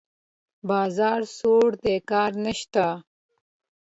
بازار سوړ دی؛ کار نشته.